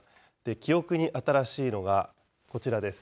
記憶に新しいのがこちらです。